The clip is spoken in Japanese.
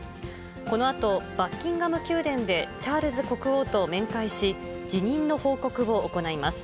このあと、バッキンガム宮殿で、チャールズ国王と面会し、辞任の報告を行います。